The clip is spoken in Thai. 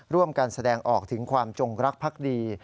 ร่วมกันแสดงออกถึงความจงรักภักดี